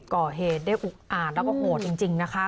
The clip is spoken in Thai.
ก่อเหตุได้อุกอาจแล้วก็โหดจริงนะคะ